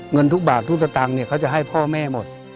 เงินทุกบาททุกสตางค์เขาจะให้พ่อแม่หมด